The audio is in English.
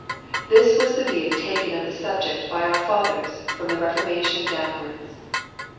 This was the view taken of the subject by our fathers, from the Eeformation downwards.